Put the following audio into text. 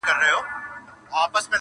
زاغ نيولي ځالګۍ دي د بلبلو-